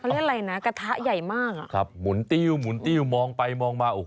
เขาเรียกอะไรนะกระทะใหญ่มากครับหมุนติ้วมองไปมองมาโอ้โห